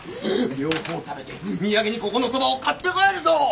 両方食べて土産にここのそばを買って帰るぞ！